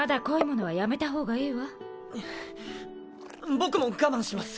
僕も我慢します！